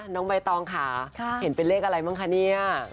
น้องใบตองค่ะเห็นเป็นเลขอะไรบ้างคะเนี่ย